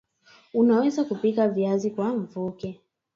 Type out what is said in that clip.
Unaweza kupika Viazi kwa mvuke